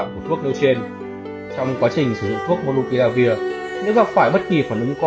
về thuốc nâu trên trong quá trình sử dụng thuốc monopiravir nếu gặp phải bất kỳ phản ứng có